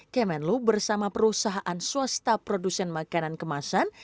kemenlu bersama perusahaan swasta produsen makanan kemasan